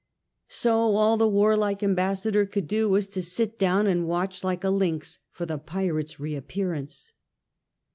So all the warlike ambassador could do was to sit down and watch like a lynx for the pirate's reappearance.